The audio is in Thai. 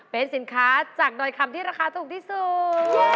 เป็นสินค้าจากดอยคำที่ราคาถูกที่สุด